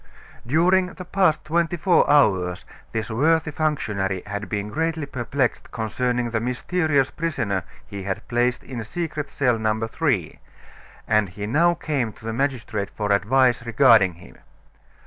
During the past twenty four hours this worthy functionary had been greatly perplexed concerning the mysterious prisoner he had placed in secret cell No. 3, and he now came to the magistrate for advice regarding him.